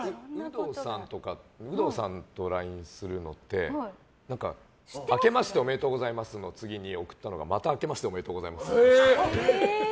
有働さんとＬＩＮＥするのってあけましておめでとうございますの次に送ったのが、またあけましておめでとうございます。